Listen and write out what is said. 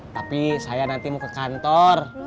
tapi saya nanti mau ke kantor